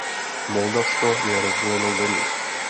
Moldavsko je rozdělenou zemí.